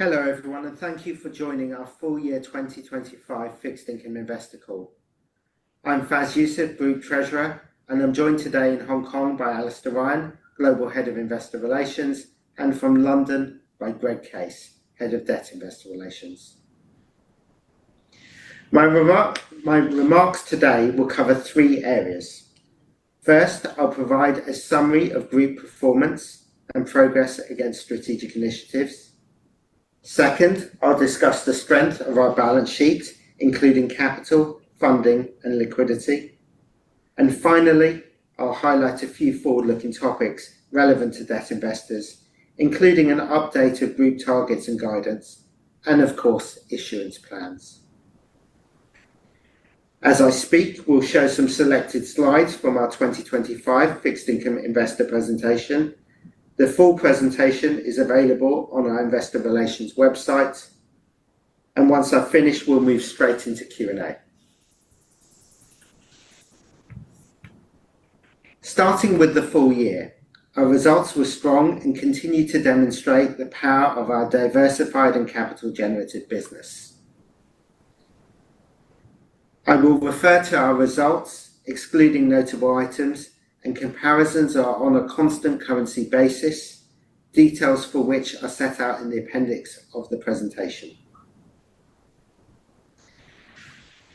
Hello, everyone, and thank you for joining our full year 2025 fixed income investor call. I'm Faisal Yousaf, Group Treasurer, and I'm joined today in Hong Kong by Alastair Ryan, Global Head of Investor Relations, and from London by Greg Case, Head of Debt Investor Relations. My remarks today will cover three areas. First, I'll provide a summary of group performance and progress against strategic initiatives. Second, I'll discuss the strength of our balance sheet, including capital, funding, and liquidity. Finally, I'll highlight a few forward-looking topics relevant to debt investors, including an update of group targets and guidance, and of course, issuance plans. As I speak, we'll show some selected slides from our 2025 fixed income investor presentation. The full presentation is available on our investor relations website, and once I've finished, we'll move straight into Q&A. Starting with the full year, our results were strong and continue to demonstrate the power of our diversified and capital generative business. I will refer to our results, excluding notable items, and comparisons are on a constant currency basis, details for which are set out in the appendix of the presentation.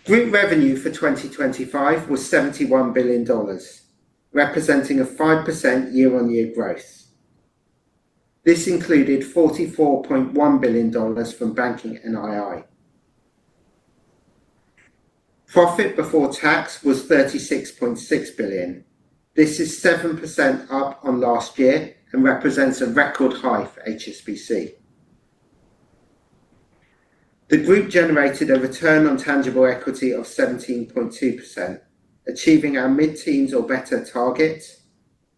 Group revenue for 2025 was $71 billion, representing a 5% year-on-year growth. This included $44.1 billion from banking NII. Profit before tax was $36.6 billion. This is 7% up on last year and represents a record high for HSBC. The group generated a return on tangible equity of 17.2%, achieving our mid-teens or better target.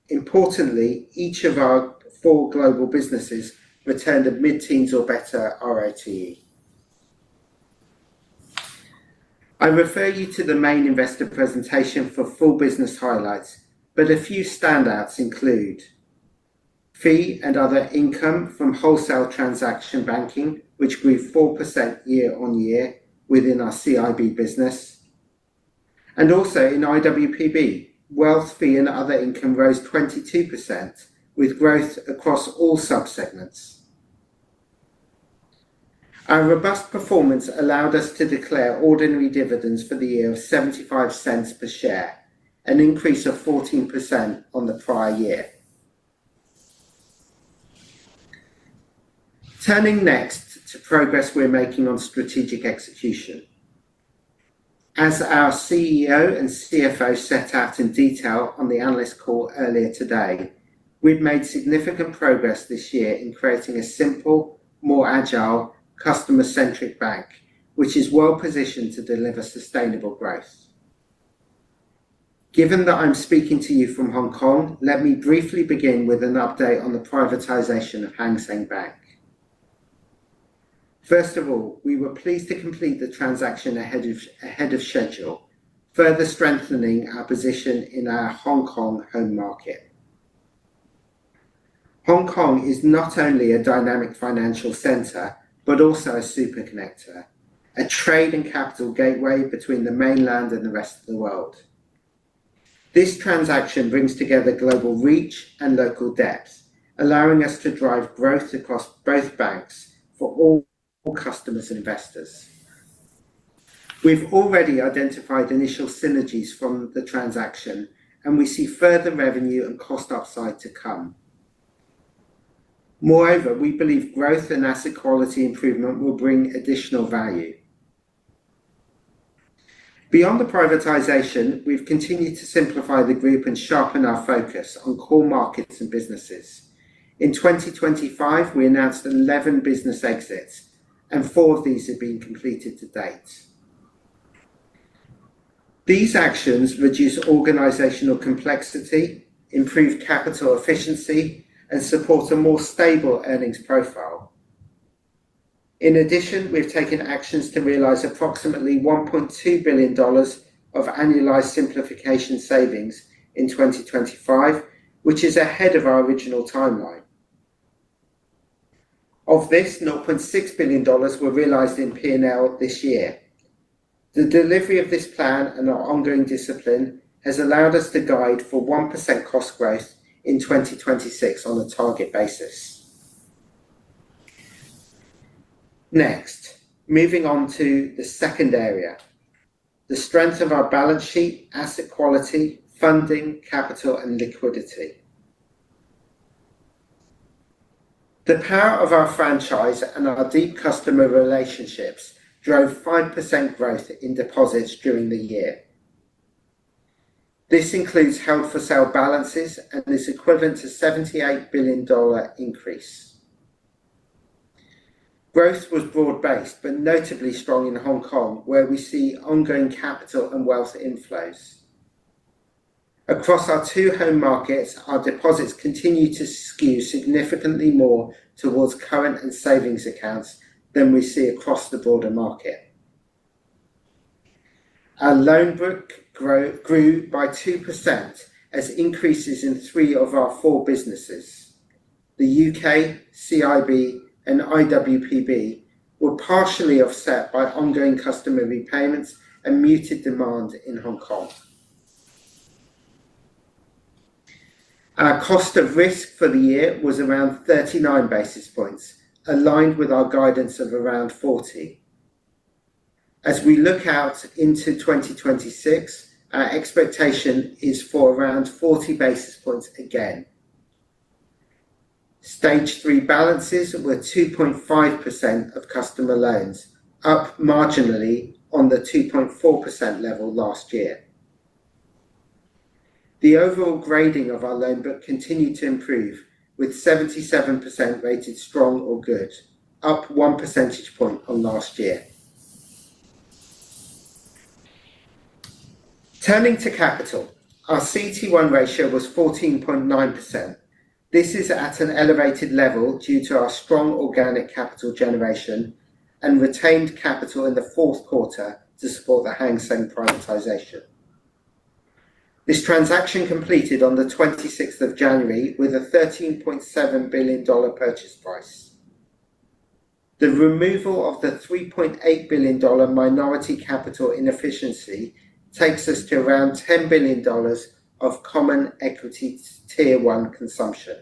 Importantly, each of our four global businesses returned a mid-teens or better ROTE. I refer you to the main investor presentation for full business highlights. A few standouts include: fee and other income from wholesale transaction banking, which grew 4% year-over-year within our CIB business, and also in IWPB, wealth fee and other income rose 22%, with growth across all subsegments. Our robust performance allowed us to declare ordinary dividends for the year of $0.75 per share, an increase of 14% on the prior year. Turning next to progress we're making on strategic execution. As our CEO and CFO set out in detail on the analyst call earlier today, we've made significant progress this year in creating a simple, more agile, customer-centric bank, which is well positioned to deliver sustainable growth. Given that I'm speaking to you from Hong Kong, let me briefly begin with an update on the privatization of Hang Seng Bank. First of all, we were pleased to complete the transaction ahead of schedule, further strengthening our position in our Hong Kong home market. Hong Kong is not only a dynamic financial center, but also a super connector, a trade and capital gateway between the mainland and the rest of the world. This transaction brings together global reach and local depth, allowing us to drive growth across both banks for all customers and investors. We've already identified initial synergies from the transaction. We see further revenue and cost upside to come. Moreover, we believe growth and asset quality improvement will bring additional value. Beyond the privatization, we've continued to simplify the group and sharpen our focus on core markets and businesses. In 2025, we announced 11 business exits, and four of these have been completed to date. These actions reduce organizational complexity, improve capital efficiency, and support a more stable earnings profile. In addition, we've taken actions to realize approximately $1.2 billion of annualized simplification savings in 2025, which is ahead of our original timeline. Of this, $9.6 billion were realized in P&L this year. The delivery of this plan and our ongoing discipline has allowed us to guide for 1% cost growth in 2026 on a target basis. Next, moving on to the second area, the strength of our balance sheet, asset quality, funding, capital, and liquidity. The power of our franchise and our deep customer relationships drove 5% growth in deposits during the year. This includes held-for-sale balances and is equivalent to $78 billion increase. Growth was broad-based, but notably strong in Hong Kong, where we see ongoing capital and wealth inflows. Across our two home markets, our deposits continue to skew significantly more towards current and savings accounts than we see across the broader market. Our loan book grew by 2% as increases in three of our four businesses, the U.K., CIB, and IWPB, were partially offset by ongoing customer repayments and muted demand in Hong Kong. Our cost of risk for the year was around 39 basis points, aligned with our guidance of around 40. As we look out into 2026, our expectation is for around 40 basis points again. Stage 3 balances were 2.5% of customer loans, up marginally on the 2.4% level last year. The overall grading of our loan book continued to improve, with 77% rated strong or good, up 1 percentage point on last year. Turning to capital, our CET1 ratio was 14.9%. This is at an elevated level due to our strong organic capital generation and retained capital in the fourth quarter to support the Hang Seng privatization. This transaction completed on the 26th of January with a $13.7 billion purchase price. The removal of the $3.8 billion minority capital inefficiency takes us to around $10 billion of Common Equity Tier 1 consumption.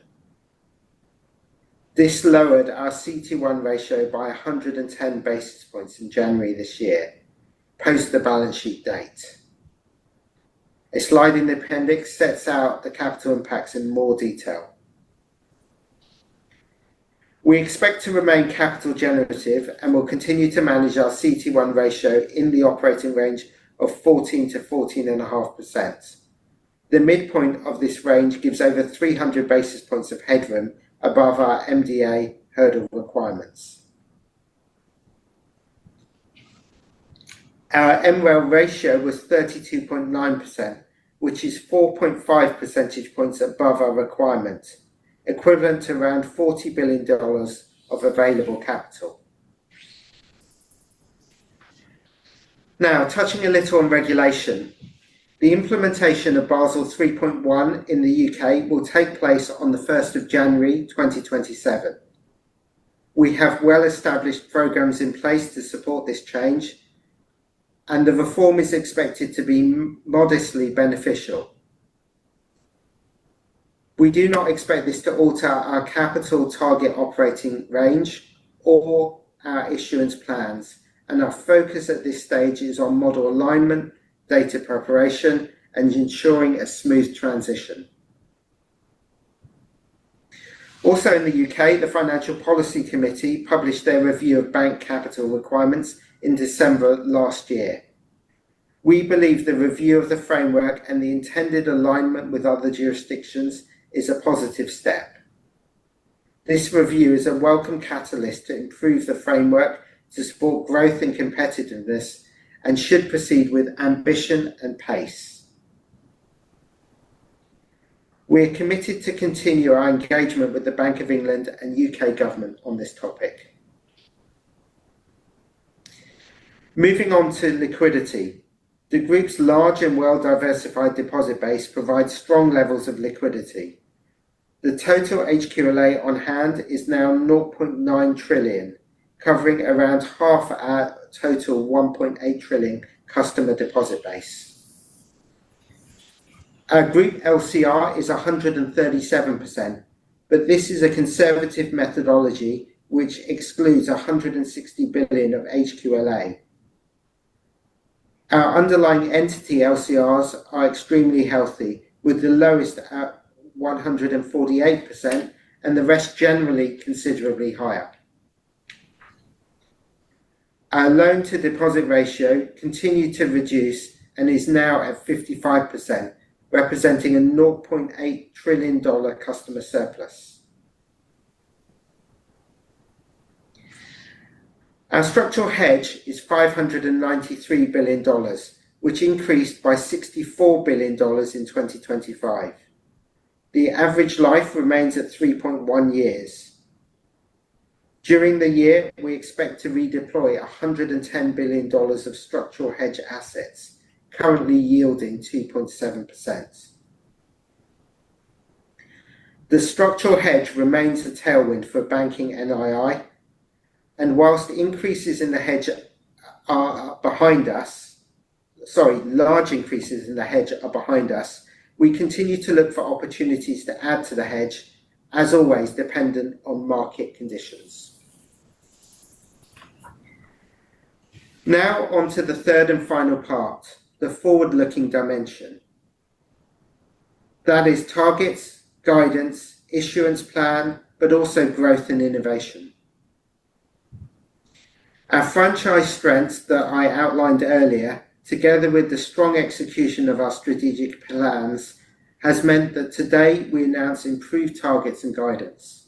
This lowered our CET1 ratio by 110 basis points in January this year, post the balance sheet date. A slide in the appendix sets out the capital impacts in more detail. We expect to remain capital generative and will continue to manage our CET1 ratio in the operating range of 14%-14.5%. The midpoint of this range gives over 300 basis points of headroom above our MDA hurdle requirements. Our MREL ratio was 32.9%, which is 4.5 percentage points above our requirement, equivalent to around $40 billion of available capital. Touching a little on regulation. The implementation of Basel 3.1 in the U.K. will take place on January 1st, 2027. We have well-established programs in place to support this change, the reform is expected to be modestly beneficial. We do not expect this to alter our capital target operating range or our issuance plans, our focus at this stage is on model alignment, data preparation, and ensuring a smooth transition. In the U.K., the Financial Policy Committee published their review of bank capital requirements in December last year. We believe the review of the framework and the intended alignment with other jurisdictions is a positive step. This review is a welcome catalyst to improve the framework to support growth and competitiveness and should proceed with ambition and pace. We are committed to continue our engagement with the Bank of England and U.K. government on this topic. Moving on to liquidity. The group's large and well-diversified deposit base provides strong levels of liquidity. The total HQLA on hand is now $0.9 trillion, covering around half our total $1.8 trillion customer deposit base. Our group LCR is 137%. This is a conservative methodology which excludes $160 billion of HQLA. Our underlying entity LCRs are extremely healthy, with the lowest at 148% and the rest generally considerably higher. Our loan-to-deposit ratio continued to reduce and is now at 55%, representing a $0.8 trillion customer surplus. Our structural hedge is $593 billion, which increased by $64 billion in 2025. The average life remains at 3.1 years. During the year, we expect to redeploy $110 billion of structural hedge assets, currently yielding 2.7%. The structural hedge remains a tailwind for banking NII. Whilst large increases in the hedge are behind us, we continue to look for opportunities to add to the hedge, as always, dependent on market conditions. On to the third and final part, the forward-looking dimension. That is targets, guidance, issuance plan, also growth and innovation. Our franchise strength that I outlined earlier, together with the strong execution of our strategic plans, has meant that today we announce improved targets and guidance.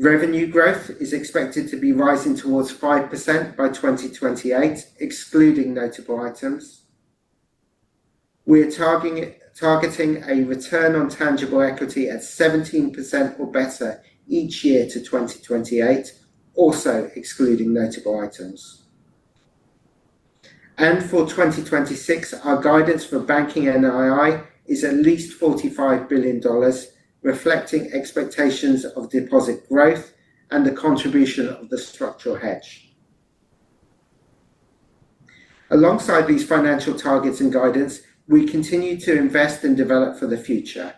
Revenue growth is expected to be rising towards 5% by 2028, excluding notable items. We are targeting a return on tangible equity at 17% or better each year to 2028, also excluding notable items. For 2026, our guidance for banking NII is at least $45 billion, reflecting expectations of deposit growth and the contribution of the structural hedge. Alongside these financial targets and guidance, we continue to invest and develop for the future,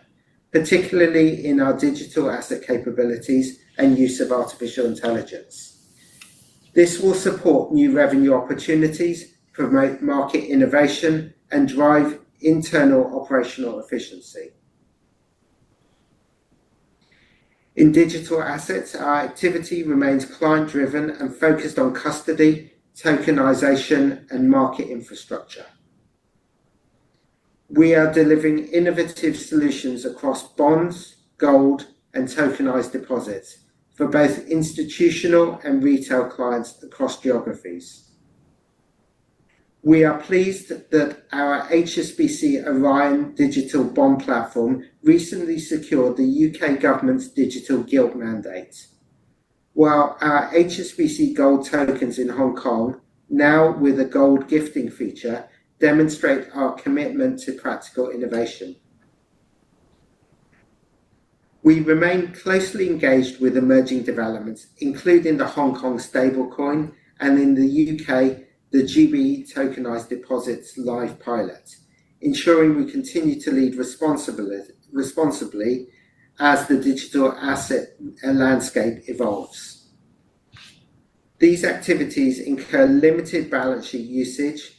particularly in our digital asset capabilities and use of artificial intelligence. This will support new revenue opportunities, promote market innovation, and drive internal operational efficiency. In digital assets, our activity remains client-driven and focused on custody, tokenization, and market infrastructure. We are delivering innovative solutions across bonds, gold, and tokenized deposits for both institutional and retail clients across geographies. We are pleased that our HSBC Orion digital bond platform recently secured the U.K. government's digital gilt mandate, while our HSBC Gold tokens in Hong Kong, now with a gold gifting feature, demonstrate our commitment to practical innovation. We remain closely engaged with emerging developments, including the Hong Kong stable coin and in the U.K., the GB tokenized deposits live pilot, ensuring we continue to lead responsibly as the digital asset and landscape evolves. These activities incur limited balance sheet usage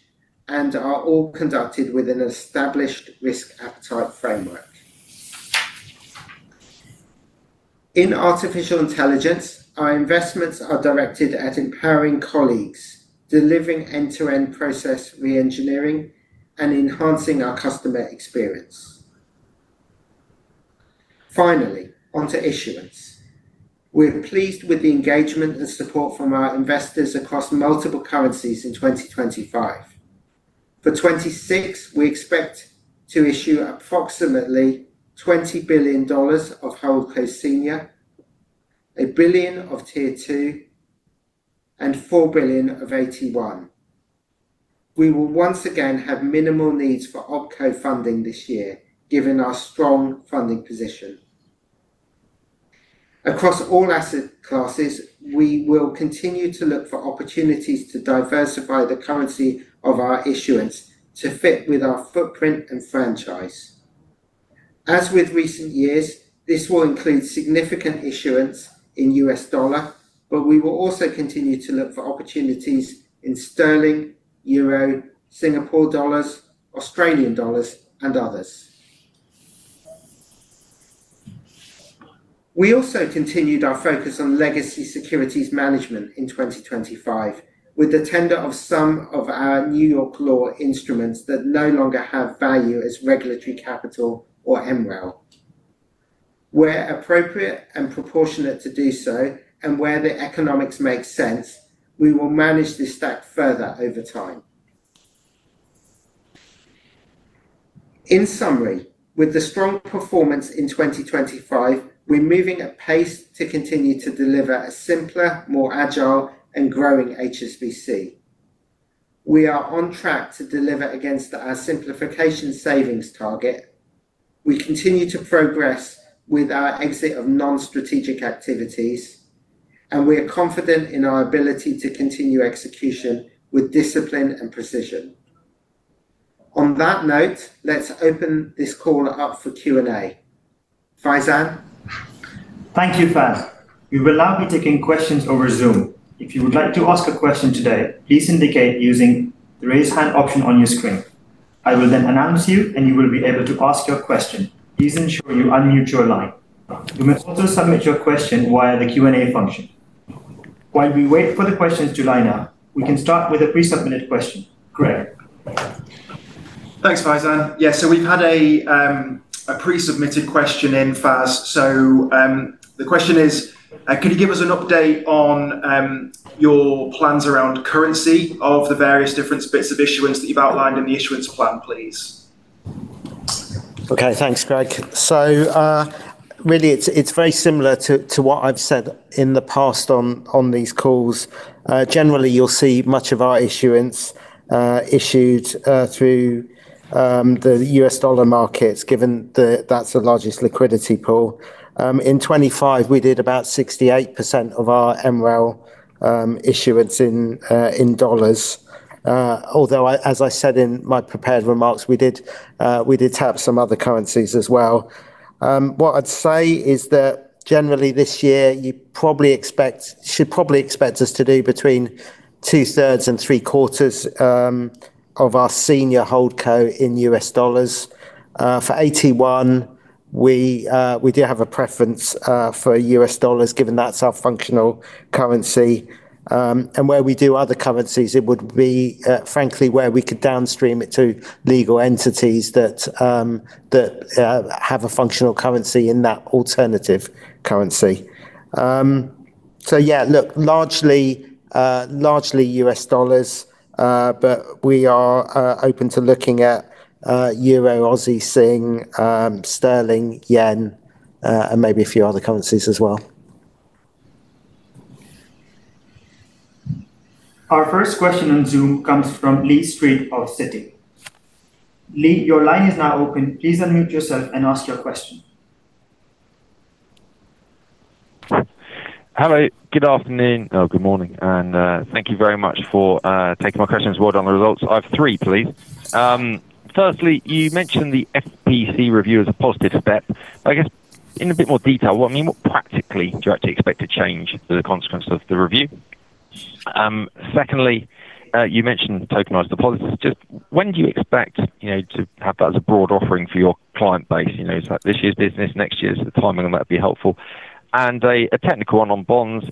and are all conducted with an established risk appetite framework. In artificial intelligence, our investments are directed at empowering colleagues, delivering end-to-end process reengineering, and enhancing our customer experience. Finally, onto issuance. We're pleased with the engagement and support from our investors across multiple currencies in 2025. For 2026, we expect to issue approximately $20 billion of holdco senior, $1 billion of Tier 2, and $4 billion of AT1. We will once again have minimal needs for OpCo funding this year, given our strong funding position. Across all asset classes, we will continue to look for opportunities to diversify the currency of our issuance to fit with our footprint and franchise. As with recent years, this will include significant issuance in U.S. dollar, but we will also continue to look for opportunities in GBP, EUR, SGD, AUD, and others. We also continued our focus on legacy securities management in 2025, with the tender of some of our New York law instruments that no longer have value as regulatory capital or MREL. Where appropriate and proportionate to do so, where the economics make sense, we will manage this stack further over time. In summary, with the strong performance in 2025, we're moving at pace to continue to deliver a simpler, more agile, and growing HSBC. We are on track to deliver against our simplification savings target. We continue to progress with our exit of non-strategic activities, we are confident in our ability to continue execution with discipline and precision. On that note, let's open this call up for Q&A. Faizan? Thank you, Fais. We will now be taking questions over Zoom. If you would like to ask a question today, please indicate using the Raise Hand option on your screen. I will then announce you, and you will be able to ask your question. Please ensure you unmute your line. You must also submit your question via the Q&A function. While we wait for the questions to line up, we can start with a pre-submitted question. Greg? Thanks, Faizan. Yeah, we've had a pre-submitted question in, Fais. The question is, could you give us an update on your plans around currency of the various different bits of issuance that you've outlined in the issuance plan, please? Thanks, Greg. Really, it's very similar to what I've said in the past on these calls. Generally, you'll see much of our issuance issued through the U.S. dollar markets, given that that's the largest liquidity pool. In 2025, we did about 68% of our MREL issuance in dollars. Although as I said in my prepared remarks, we did tap some other currencies as well. What I'd say is that generally this year, you should probably expect us to do between 2/3 and 3/4 of our senior holdco in U.S. dollars. For AT1, we do have a preference for U.S. dollars, given that's our functional currency. Where we do other currencies, it would be, frankly, where we could downstream it to legal entities that have a functional currency in that alternative currency. Yeah, look, largely U.S. dollars, but we are open to looking at EUR, AUD, SGD, GBP, JPY and maybe a few other currencies as well. Our first question on Zoom comes from Lee Street of Citi. Lee, your line is now open. Please unmute yourself and ask your question. Hello, good morning, thank you very much for taking my questions as well on the results. I have three, please. Firstly, you mentioned the FPC review as a positive step. I guess in a bit more detail, what, I mean, what practically do you actually expect to change as a consequence of the review? Secondly, you mentioned tokenized deposits. Just when do you expect, you know, to have that as a broad offering for your client base? You know, is that this year's business, next year's? The timing on that would be helpful. A technical one on bonds.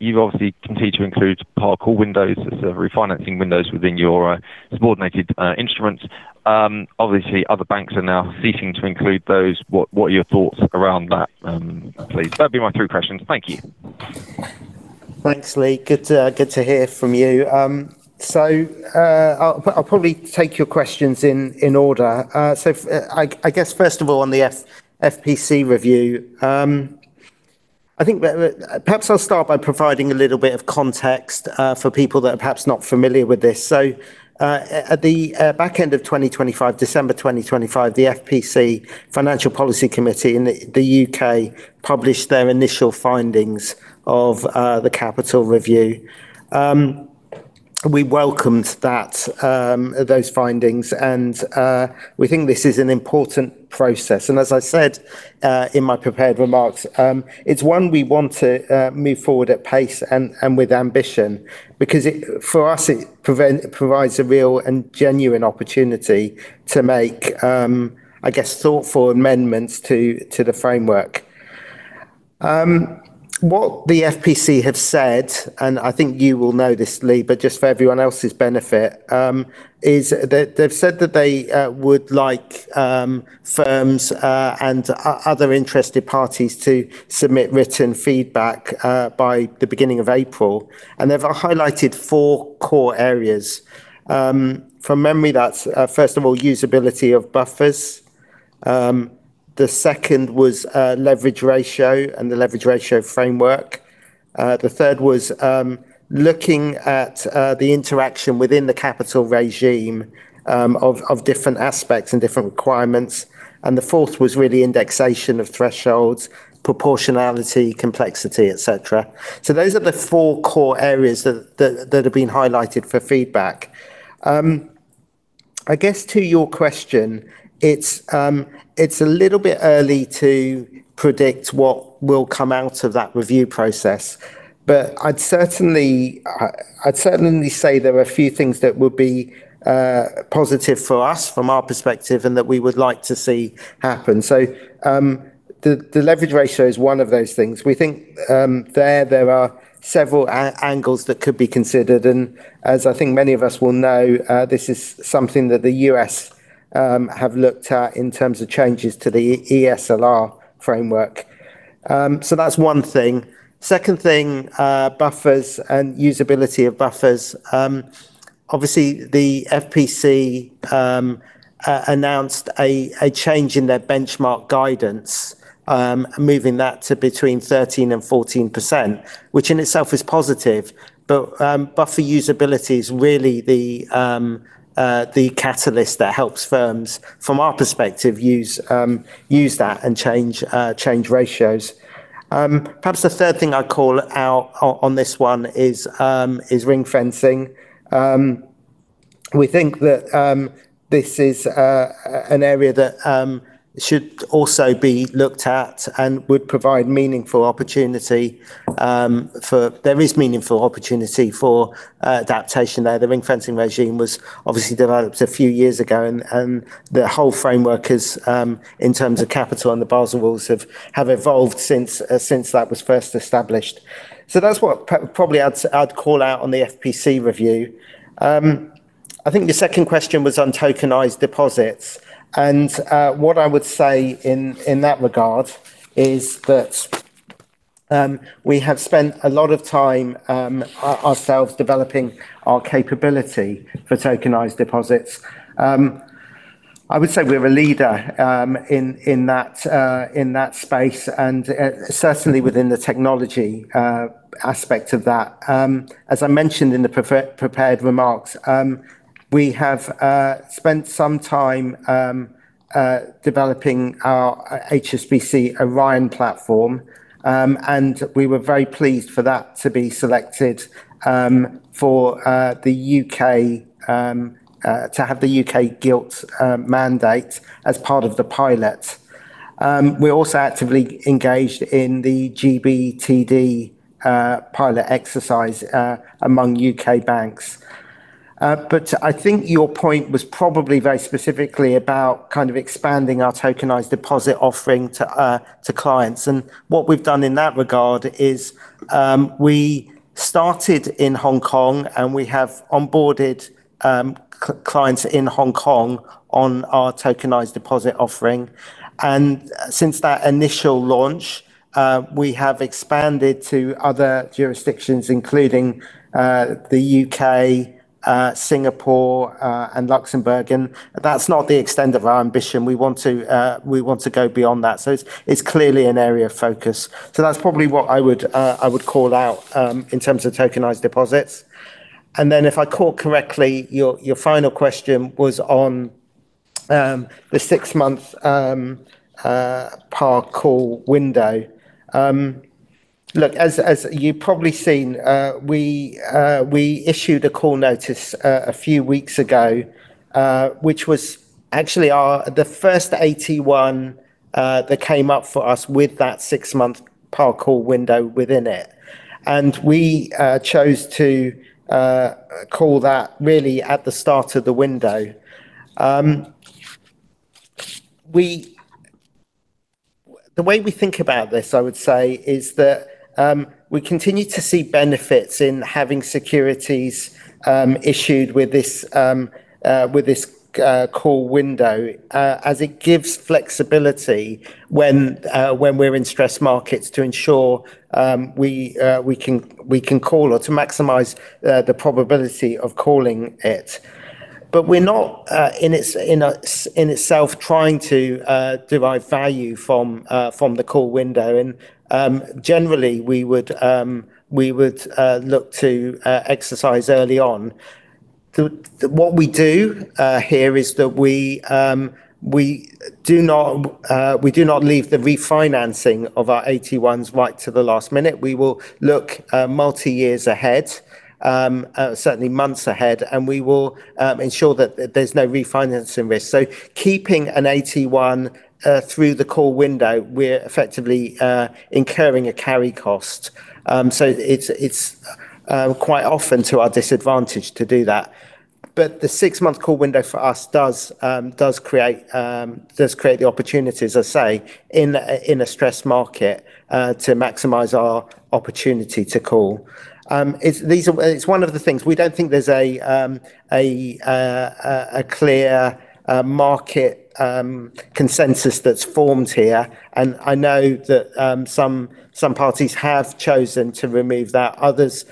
You obviously continue to include call windows as the refinancing windows within your subordinated instruments. Obviously, other banks are now seeking to include those. What are your thoughts around that, please? That would be my three questions. Thank you. Thanks, Lee. Good to hear from you. I'll probably take your questions in order. First of all, on the FPC review, I think that perhaps I'll start by providing a little bit of context for people that are perhaps not familiar with this. At the back end of 2025, December 2025, the FPC, Financial Policy Committee in the U.K., published their initial findings of the capital review. We welcomed that those findings, we think this is an important process. As I said, in my prepared remarks, it's one we want to move forward at pace and with ambition, because for us, it provides a real and genuine opportunity to make, I guess, thoughtful amendments to the framework. What the FPC have said, and I think you will know this, Lee, but just for everyone else's benefit, is that they've said that they would like firms and other interested parties to submit written feedback by the beginning of April. They've highlighted four core areas. From memory, that's first of all, usability of buffers. The second was leverage ratio and the leverage ratio framework. The third was looking at the interaction within the capital regime of different aspects and different requirements. The fourth was really indexation of thresholds, proportionality, complexity, et cetera. Those are the four core areas that have been highlighted for feedback. I guess to your question, it's a little bit early to predict what will come out of that review process, but I'd certainly say there are a few things that would be positive for us from our perspective and that we would like to see happen. The leverage ratio is one of those things. We think there are several angles that could be considered, and as I think many of us will know, this is something that the U.S. have looked at in terms of changes to the eSLR framework. That's one thing. Second thing, buffers and usability of buffers. Obviously, the FPC announced a change in their benchmark guidance, moving that to between 13% and 14%, which in itself is positive. Buffer usability is really the catalyst that helps firms, from our perspective, use that and change ratios. Perhaps the third thing I'd call out on this one is ring-fencing. We think that this is an area that should also be looked at and would provide meaningful opportunity, there is meaningful opportunity for adaptation there. The ring-fencing regime was obviously developed a few years ago, the whole framework is in terms of capital and the Basel rules have evolved since that was first established. That's what probably I'd call out on the FPC review. I think the second question was on tokenized deposits, what I would say in that regard is that we have spent a lot of time ourselves developing our capability for tokenized deposits. I would say we're a leader in that in that space, and certainly within the technology aspect of that. As I mentioned in the prepared remarks, we have spent some time developing our HSBC Orion platform, we were very pleased for that to be selected for the U.K. to have the U.K. Gilt mandate as part of the pilot. We're also actively engaged in the GBTD pilot exercise among U.K. banks. I think your point was probably very specifically about kind of expanding our tokenized deposit offering to clients. What we've done in that regard is, we started in Hong Kong, and we have onboarded clients in Hong Kong on our tokenized deposit offering. Since that initial launch, we have expanded to other jurisdictions, including the U.K., Singapore, and Luxembourg, and that's not the extent of our ambition. We want to go beyond that. It's clearly an area of focus. That's probably what I would call out in terms of tokenized deposits. If I caught correctly, your final question was on the six-month par call window. Look, as you've probably seen, we issued a call notice a few weeks ago, which was actually the first AT1 that came up for us with that 6-month par call window within it. We chose to call that really at the start of the window. The way we think about this, I would say, is that we continue to see benefits in having securities issued with this call window as it gives flexibility when we're in stress markets to ensure we can call or to maximize the probability of calling it. We're not in itself trying to derive value from the call window. Generally, we would look to exercise early on. The what we do here is that we do not leave the refinancing of our AT1s right to the last minute. We will look multi-years ahead, certainly months ahead, we will ensure that there's no refinancing risk. Keeping an AT1 through the call window, we're effectively incurring a carry cost. It's quite often to our disadvantage to do that. The six-month call window for us does create the opportunity, as I say, in a stressed market, to maximize our opportunity to call. It's one of the things. We don't think there's a clear market consensus that's formed here. I know that some parties have chosen to remove that, others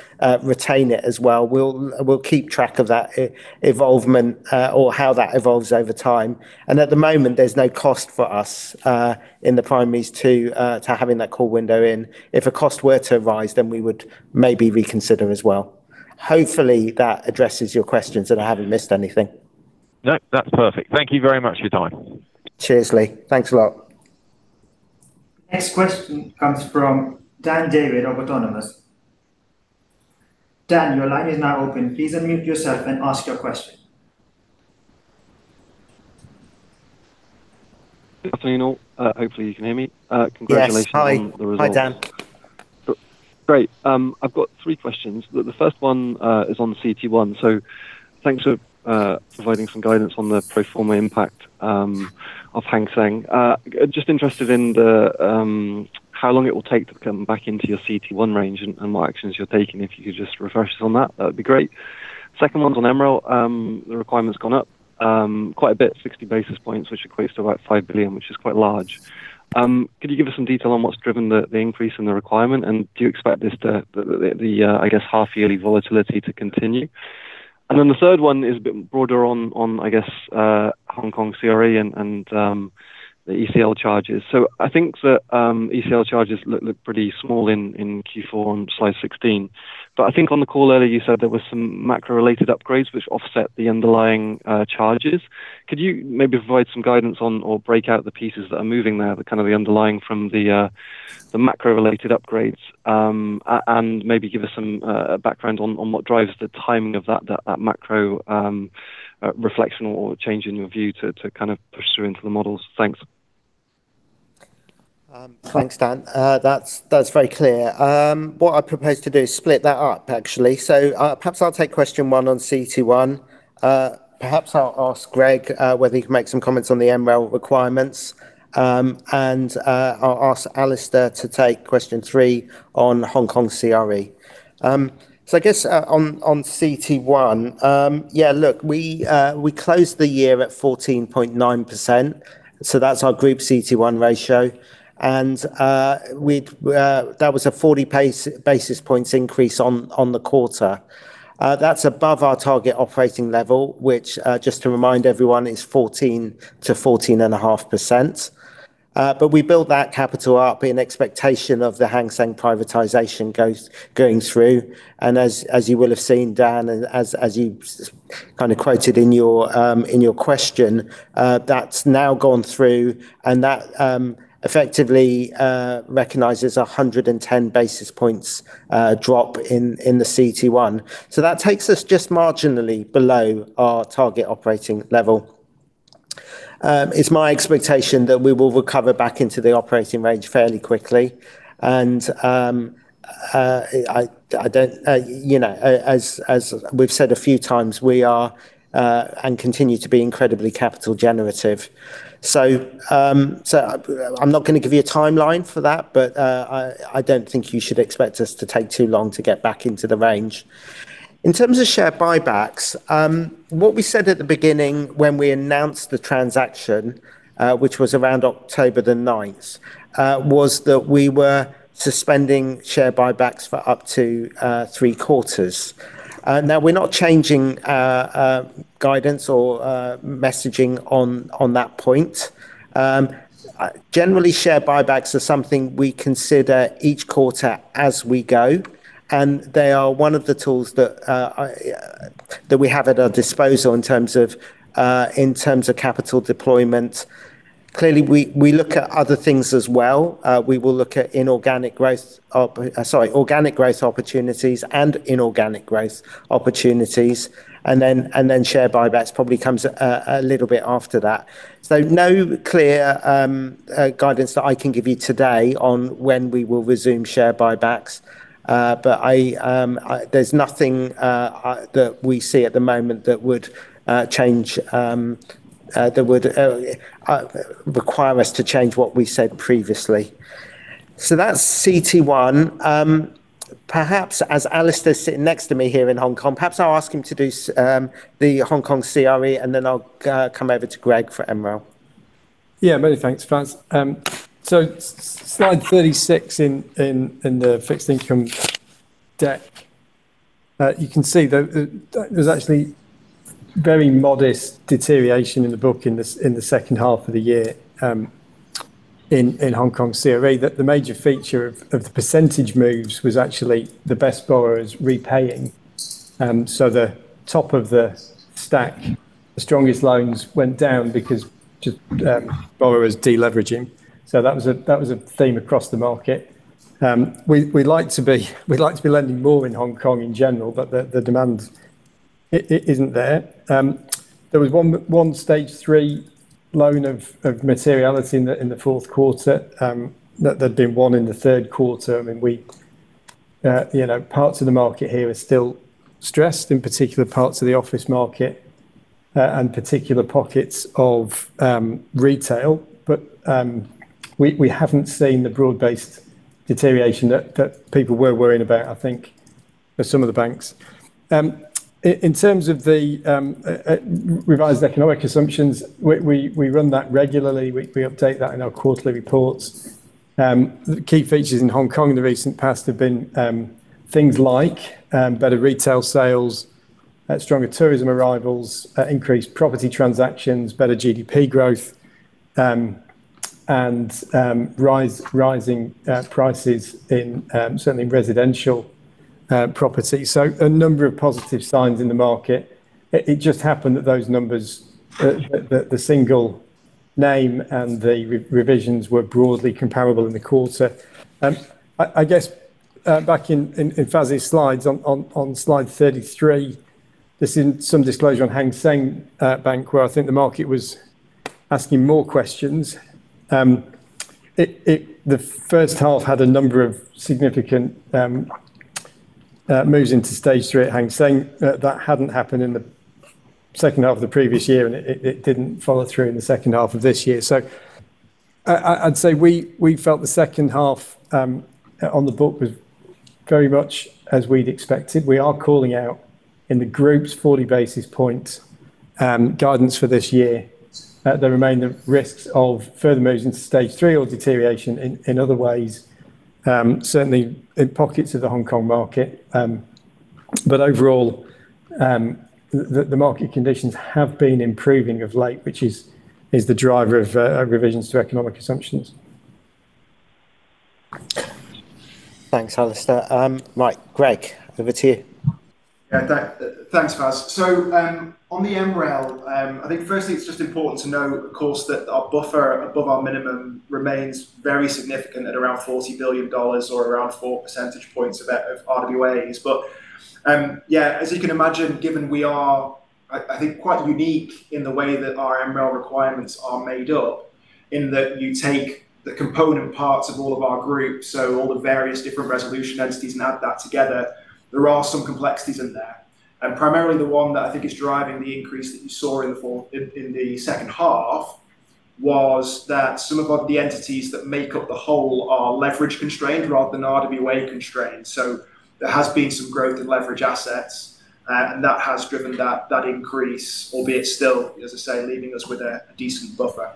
retain it as well. We'll keep track of that e-evolvement, or how that evolves over time. At the moment, there's no cost for us in the primaries to having that call window in. If a cost were to rise, then we would maybe reconsider as well. Hopefully, that addresses your questions. I haven't missed anything. No, that's perfect. Thank you very much for your time. Cheers, Lee. Thanks a lot. Next question comes from Dan David of Autonomous. Dan, your line is now open. Please unmute yourself and ask your question. Hopefully, you can hear me- Yes. Hi, Dan. On the results. Great. I've got three questions. The first one is on the CET1. Thanks for providing some guidance on the pro forma impact of Hang Seng. Just interested in how long it will take to come back into your CET1 range and what actions you're taking. If you could just refresh us on that'd be great. Second one's on MREL. The requirement's gone up quite a bit, 60 basis points, which equates to about $5 billion, which is quite large. Could you give us some detail on what's driven the increase in the requirement? Do you expect this to, I guess, half-yearly volatility to continue? The third one is a bit broader on, I guess, Hong Kong CRE and the ECL charges. I think the ECL charges look pretty small in Q4 on slide 16. I think on the call earlier, you said there were some macro-related upgrades, which offset the underlying charges. Could you maybe provide some guidance on or break out the pieces that are moving there, the kind of the underlying from the macro-related upgrades? Maybe give us some background on what drives the timing of that macro reflection or change in your view to kind of pursue into the models. Thanks. Thanks, Dan. That's very clear. What I propose to do is split that up, actually. Perhaps I'll take question one on CET1. Perhaps I'll ask Greg whether he can make some comments on the MREL requirements. I'll ask Alastair to take question three on Hong Kong CRE. I guess on CET1, look, we closed the year at 14.9%, that's our Group CET1 ratio. That was a 40 basis points increase on the quarter. That's above our target operating level, which just to remind everyone, is 14%-14.5%. We built that capital up in expectation of the Hang Seng privatization going through, and as you will have seen, Dan, and as you kind of quoted in your question, that's now gone through, and that effectively recognizes 110 basis points drop in the CET1. That takes us just marginally below our target operating level. It's my expectation that we will recover back into the operating range fairly quickly, and I don't, you know, as we've said a few times, we are and continue to be incredibly capital generative. I'm not going to give you a timeline for that, but I don't think you should expect us to take too long to get back into the range. In terms of share buybacks, what we said at the beginning when we announced the transaction, which was around October 9th, was that we were suspending share buybacks for up to three quarters. Now we're not changing guidance or messaging on that point. Generally, share buybacks are something we consider each quarter as we go, and they are one of the tools that we have at our disposal in terms of in terms of capital deployment. Clearly, we look at other things as well. We will look at organic growth opportunities and inorganic growth opportunities, and then share buybacks probably comes a little bit after that. No clear guidance that I can give you today on when we will resume share buybacks. But there's nothing that we see at the moment that would change that would require us to change what we said previously. That's CET1. Perhaps as Alistair is sitting next to me here in Hong Kong, perhaps I'll ask him to do the Hong Kong CRE, and then I'll come over to Greg for MREL. Many thanks, Fais. Slide 36 in the fixed income deck. You can see there's actually very modest deterioration in the book in the second half of the year in Hong Kong CRE. That the major feature of the percentage moves was actually the best borrowers repaying. The top of the stack, the strongest loans went down because just borrowers deleveraging. That was a theme across the market. We'd like to be lending more in Hong Kong in general, but the demand isn't there. There was one Stage 3 loan of materiality in the fourth quarter that there'd been one in the third quarter. I mean, we, you know, parts of the market here are still stressed, in particular parts of the office market, and particular pockets of retail, but we haven't seen the broad-based deterioration that people were worrying about, I think, at some of the banks. In terms of the revised economic assumptions, we run that regularly. We update that in our quarterly reports. The key features in Hong Kong in the recent past have been things like better retail sales, stronger tourism arrivals, increased property transactions, better GDP growth, and rising prices in certainly residential property. A number of positive signs in the market. It just happened that those numbers, that the single name and the revisions were broadly comparable in the quarter. I guess, back in Fais' slides, on slide 33, this is some disclosure on Hang Seng Bank, where I think the market was asking more questions. The first half had a number of significant moves into Stage 3 at Hang Seng. That hadn't happened in the second half of the previous year, and it didn't follow through in the second half of this year. I'd say we felt the second half on the book was very much as we'd expected. We are calling out in the group's 40 basis points guidance for this year that there remain the risks of further moves into Stage 3 or deterioration in other ways, certainly in pockets of the Hong Kong market. Overall, the market conditions have been improving of late, which is the driver of revisions to economic assumptions. Thanks, Alistair. Right, Greg, over to you. Thanks, Fais. On the MREL, I think firstly, it's just important to know, of course, that our buffer above our minimum remains very significant at around $40 billion or around 4 percentage points of RWA. As you can imagine, given we are, I think, quite unique in the way that our MREL requirements are made up, in that you take the component parts of all of our groups, so all the various different resolution entities and add that together, there are some complexities in there. Primarily, the one that I think is driving the increase that you saw in the second half, was that some of the entities that make up the whole are leverage constrained rather than RWA constrained. There has been some growth in leverage assets, and that has driven that increase, albeit still, as I say, leaving us with a decent buffer.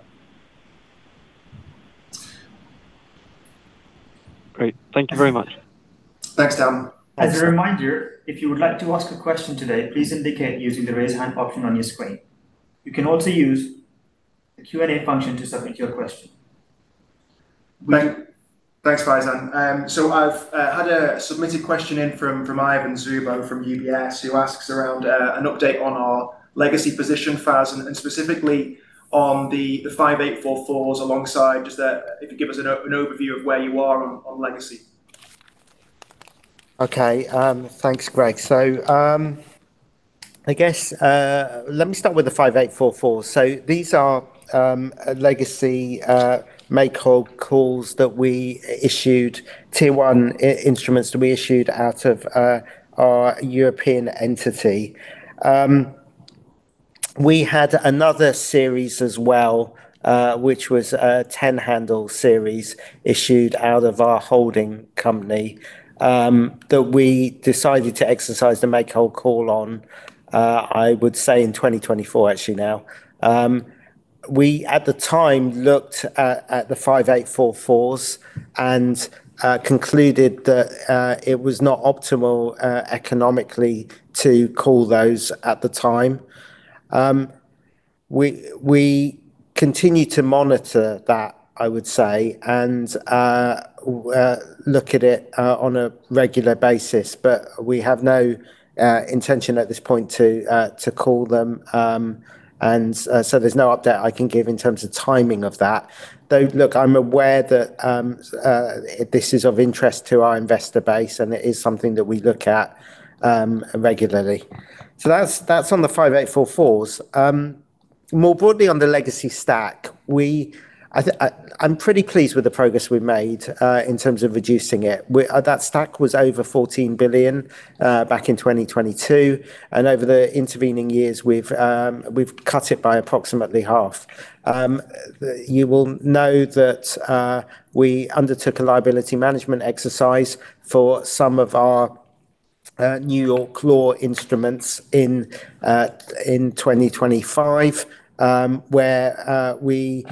Great. Thank you very much. Thanks, Dan. Thanks. As a reminder, if you would like to ask a question today, please indicate using the Raise Hand option on your screen. You can also use the Q&A function to submit your question. Thanks, Faizan. I've had a submitted question in from Ivan Zubo, from UBS, who asks around an update on our legacy position, Fais, and specifically on the 5844s, alongside if you could give us an overview of where you are on legacy. Okay, thanks, Greg. I guess, let me start with the 5844s. These are a legacy make-whole calls that we issued Tier 1 instruments that we issued out of our European entity. We had another series as well, which was a 10-handle series issued out of our holding company, that we decided to exercise to make-whole call on, I would say in 2024 actually now. We, at the time, looked at the 5844s and concluded that it was not optimal economically to call those at the time. We continue to monitor that, I would say, and look at it on a regular basis. we have no intention at this point to call them, and there's no update I can give in terms of timing of that. Look, I'm aware that this is of interest to our investor base, and it is something that we look at regularly. That's, that's on the 5844s. More broadly on the legacy stack, I'm pretty pleased with the progress we've made in terms of reducing it. That stack was over $14 billion back in 2022, and over the intervening years, we've cut it by approximately half. You will know that we undertook a liability management exercise for some of our New York law instruments in 2025, where we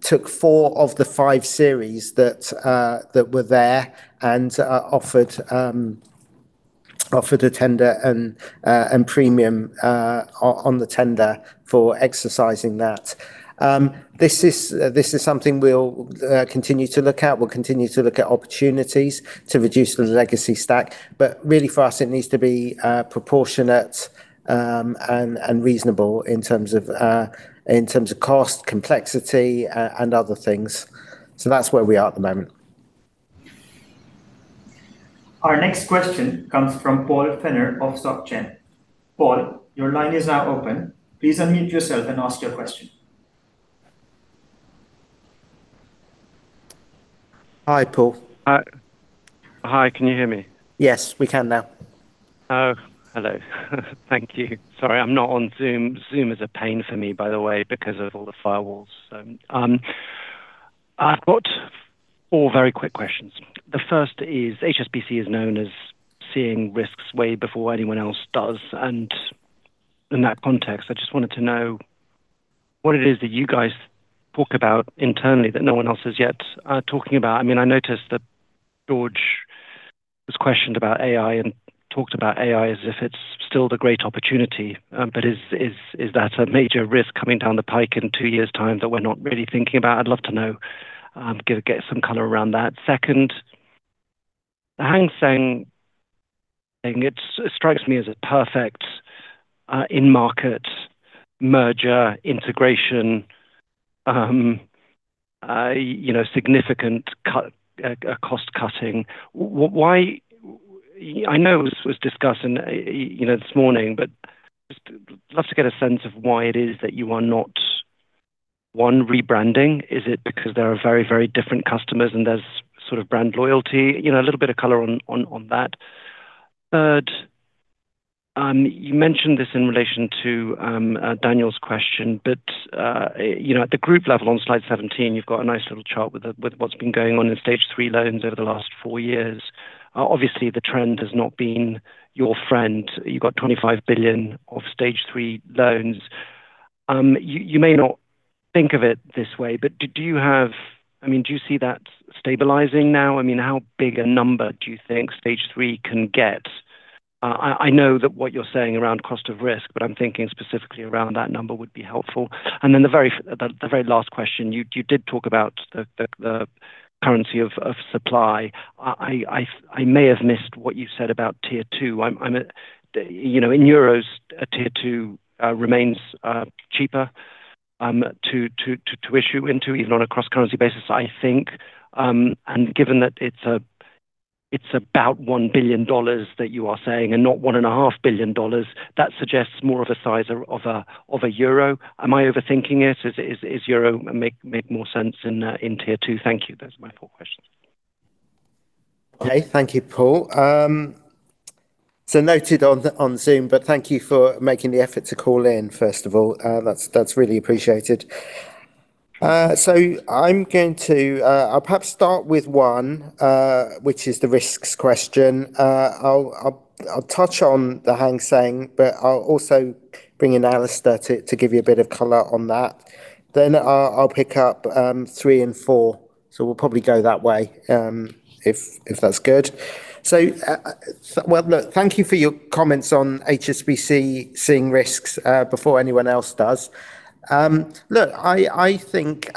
took four of the five series that were there and offered a tender and premium on the tender for exercising that. This is something we'll continue to look at. We'll continue to look at opportunities to reduce the legacy stack, but really for us, it needs to be proportionate and reasonable in terms of cost, complexity, and other things. That's where we are at the moment. Our next question comes from Paul Fenner-Leitao of Societe Generale. Paul, your line is now open. Please unmute yourself and ask your question. Hi, Paul. Hi, can you hear me? Yes, we can now. Oh, hello. Thank you. Sorry, I'm not on Zoom. Zoom is a pain for me, by the way, because of all the firewalls. I've got four very quick questions. The first is, HSBC is known as seeing risks way before anyone else does. In that context, I just wanted to know what it is that you guys talk about internally that no one else is yet talking about. I mean, I noticed that George was questioned about AI and talked about AI as if it's still the great opportunity. Is that a major risk coming down the pike in two years' time that we're not really thinking about? I'd love to know, get some color around that. Second, the Hang Seng, it strikes me as a perfect, in-market merger, integration, you know, significant cost cutting. Why I know it was discussed in, you know, this morning, but just love to get a sense of why it is that you are not, one, rebranding. Is it because there are very, very different customers, and there's sort of brand loyalty? You know, a little bit of color on that. Third, you mentioned this in relation to Daniel's question, you know, at the group level on slide 17, you've got a nice little chart with what's been going on in Stage 3 loans over the last four years. Obviously, the trend has not been your friend. You've got $25 billion of Stage 3 loans. You may not think of it this way, but do you see that stabilizing now? I mean, how big a number do you think Stage 3 can get? I know that what you're saying around cost of risk, I'm thinking specifically around that number would be helpful. Then the very last question, you did talk about the currency of supply. I may have missed what you said about Tier 2. I'm, you know, in euros, a Tier 2 remains cheaper to issue into, even on a cross-currency basis, I think. Given that it's about $1 billion that you are saying and not $1.5 billion, that suggests more of a size of a EUR. Am I overthinking it? Is EUR make more sense in Tier 2? Thank you. Those are my four questions. Okay. Thank you, Paul. Noted on Zoom, but thank you for making the effort to call in, first of all. That's really appreciated. I'll perhaps start with one, which is the risks question. I'll touch on the Hang Seng, but I'll also bring in Alistair to give you a bit of color on that. I'll pick up three and four. We'll probably go that way if that's good. Well, look, thank you for your comments on HSBC seeing risks before anyone else does. Look, I think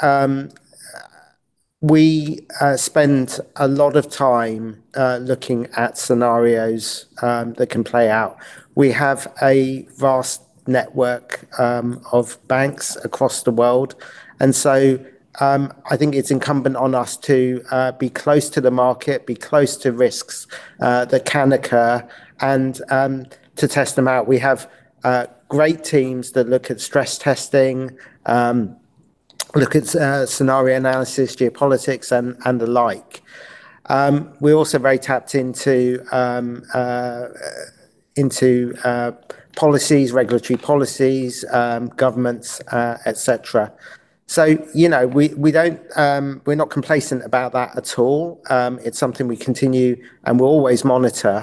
we spend a lot of time looking at scenarios that can play out. We have a vast network of banks across the world, and so, I think it's incumbent on us to be close to the market, be close to risks that can occur, and to test them out. We have great teams that look at stress testing, look at scenario analysis, geopolitics, and the like. We're also very tapped into policies, regulatory policies, governments, et cetera. You know, we don't we're not complacent about that at all. It's something we continue and we'll always monitor,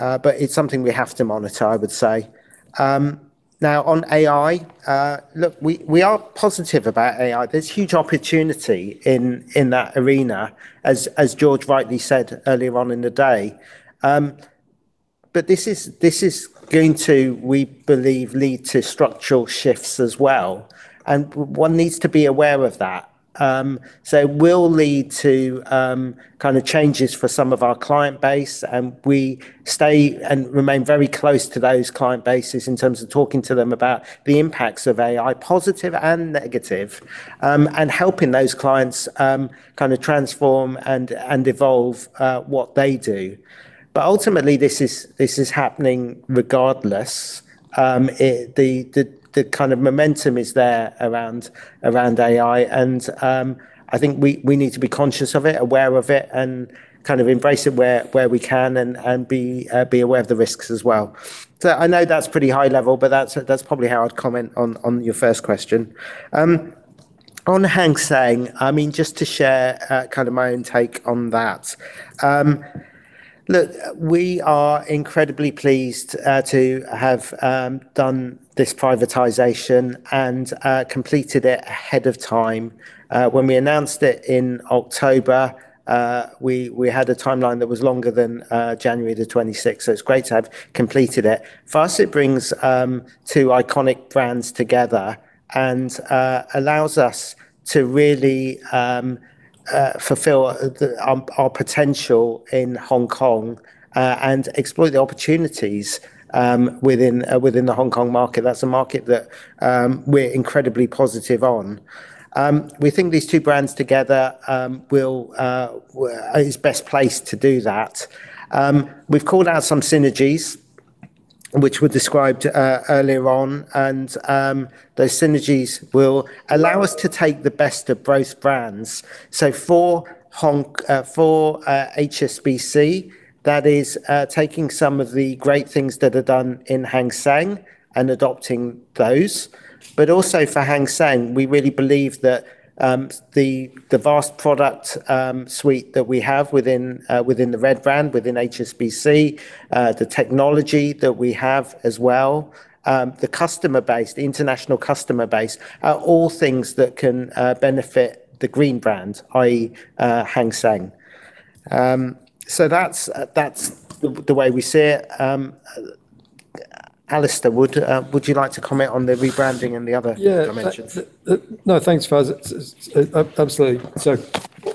but it's something we have to monitor, I would say. Now, on AI, look, we are positive about AI. There's huge opportunity in that arena, as George rightly said earlier on in the day. This is, this is going to, we believe, lead to structural shifts as well, and one needs to be aware of that. It will lead to kind of changes for some of our client base, and we stay and remain very close to those client bases in terms of talking to them about the impacts of AI, positive and negative, and helping those clients kind of transform and evolve what they do. Ultimately, this is, this is happening regardless. The kind of momentum is there around AI, and I think we need to be conscious of it, aware of it, and kind of embrace it where we can, and be aware of the risks as well. I know that's pretty high level, but that's probably how I'd comment on your first question. On Hang Seng, I mean, just to share kind of my own take on that. Look, we are incredibly pleased to have done this privatization and completed it ahead of time. When we announced it in October, we had a timeline that was longer than January 26th, so it's great to have completed it. First, it brings two iconic brands together and allows us to really fulfill the our potential in Hong Kong and explore the opportunities within within the Hong Kong market. That's a market that we're incredibly positive on. We think these two brands together will are best placed to do that. We've called out some synergies, which were described earlier on, those synergies will allow us to take the best of both brands. For HSBC, that is taking some of the great things that are done in Hang Seng and adopting those. Also for Hang Seng, we really believe that the vast product suite that we have within the red brand, within HSBC, the technology that we have as well, the customer base, the international customer base, are all things that can benefit the green brand, i.e., Hang Seng. That's the way we see it. Alastair, would you like to comment on the rebranding and the other dimensions? Yeah. No, thanks, Fais. Absolutely.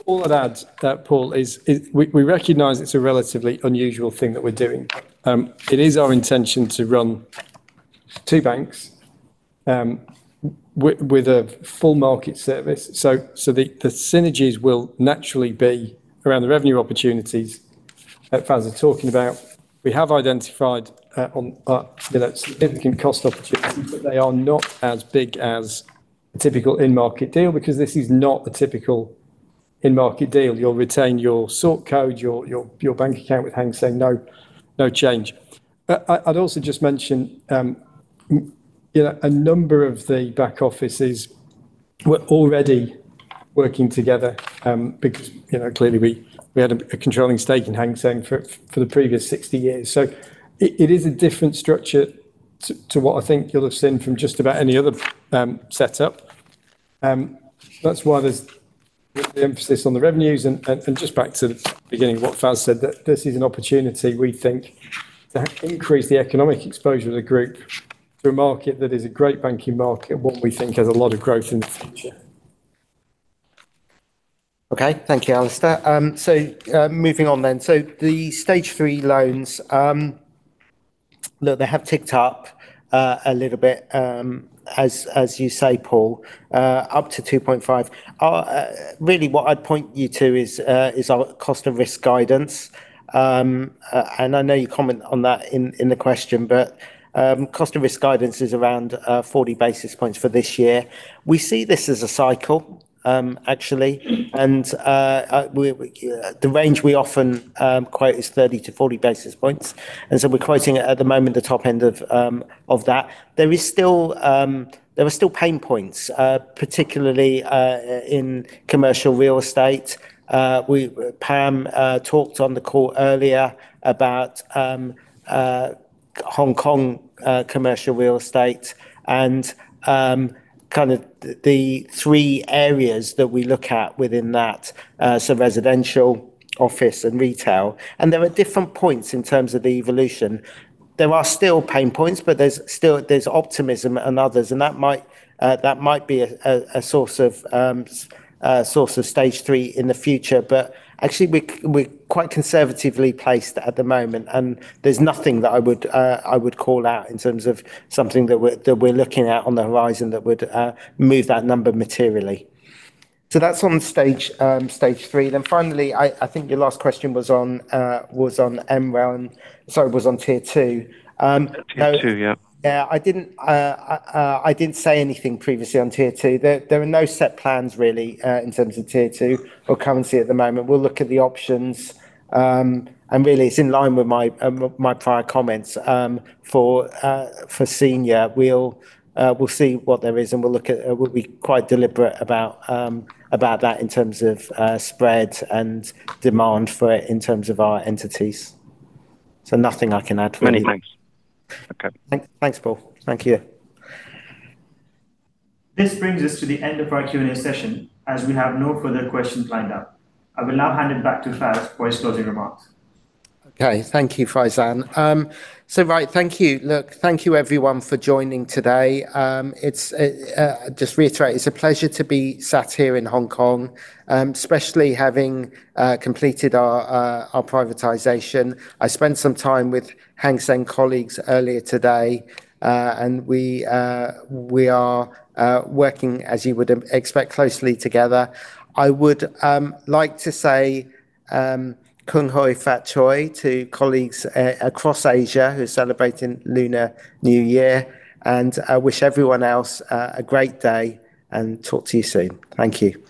All I'd add to that, Paul, is we recognize it's a relatively unusual thing that we're doing. It is our intention to run two banks, with a full market service. The synergies will naturally be around the revenue opportunities that Faisal talking about. We have identified, you know, significant cost opportunities, but they are not as big as the typical in-market deal, because this is not a typical in-market deal. You'll retain your sort code, your bank account with Hang Seng, no change. I'd also just mention, you know, a number of the back offices were already working together, because, you know, clearly, we had a controlling stake in Hang Seng for the previous 60 years. It is a different structure to what I think you'll have seen from just about any other setup. That's why there's the emphasis on the revenues, and just back to the beginning of what Faisal said, that this is an opportunity we think to increase the economic exposure of the group to a market that is a great banking market and what we think has a lot of growth in the future. Okay. Thank you, Alistair. Moving on to the Stage 3 loans, they have ticked up a little bit, as you say, Paul, up to 2.5. Really, what I'd point you to is our cost and risk guidance. I know you comment on that in the question, but cost and risk guidance is around 40 basis points for this year. We see this as a cycle, actually, the range we often quote is 30-40 basis points, and so we're quoting it at the moment, the top end of that. There is still, there are still pain points, particularly in commercial real estate. Pam talked on the call earlier about Hong Kong commercial real estate and kind of the three areas that we look at within that, so residential, office, and retail. There are different points in terms of the evolution. There are still pain points, but there's optimism and others, and that might be a source of Stage 3 in the future. Actually, we're quite conservatively placed at the moment, and there's nothing that I would call out in terms of something that we're looking at on the horizon that would move that number materially. That's on stage Stage 3. Finally, I think your last question was on MREL, and sorry, was on Tier 2. Tier 2, yeah. Yeah, I didn't say anything previously on Tier 2. There are no set plans, really, in terms of Tier 2 or currency at the moment. We'll look at the options, and really, it's in line with my prior comments. For senior, we'll see what there is, and we'll look at. We'll be quite deliberate about that in terms of spread and demand for it in terms of our entities. Nothing I can add for now. Many thanks. Okay. Thanks, Paul. Thank you. This brings us to the end of our Q&A session, as we have no further questions lined up. I will now hand it back to Faisal for his closing remarks. Okay, thank you, Faizan. Right, thank you. Look, thank you everyone for joining today. It's just to reiterate, it's a pleasure to be sat here in Hong Kong, especially having completed our privatization. I spent some time with Hang Seng colleagues earlier today, and we are working, as you would expect, closely together. I would like to say Kung Hei Fat Choi to colleagues across Asia who are celebrating Lunar New Year, and I wish everyone else a great day, and talk to you soon. Thank you.